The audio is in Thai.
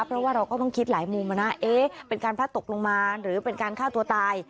เพราะว่าเราก็ต้องคิดหลายมุมนะเป็นการพัดตกลงมาหรือเป็นการฆ่าตัวตาย